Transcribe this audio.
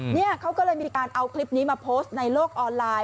เนี่ยเขาก็เลยมีการเอาคลิปนี้มาโพสต์ในโลกออนไลน์